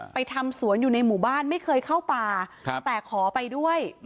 ทำสวนอยู่ในหมู่บ้านไม่เคยเข้าป่าแต่ขอไปด้วย